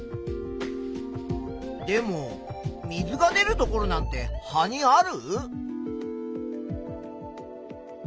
でも水が出るところなんて葉にある？